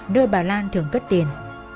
nơi bà lan thường cất tiền